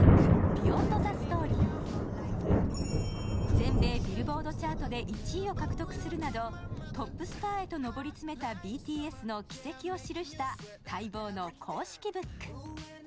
全米ビルボードチャートで１位を獲得するなどトップスターへと上り詰めたＢＴＳの軌跡を記した待望の公式ブック。